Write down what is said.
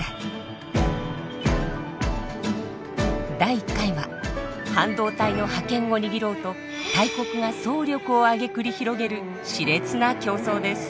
第１回は半導体の覇権を握ろうと大国が総力を挙げ繰り広げる熾烈な競争です。